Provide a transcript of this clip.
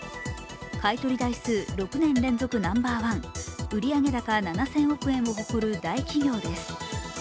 買い取り台数６年連続ナンバーワン売上高７０００億円を誇る大企業です。